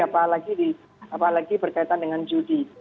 apalagi berkaitan dengan judi